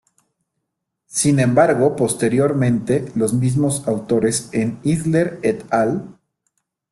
Sin embargo, posteriormente, los mismos autores, en Isler "et al.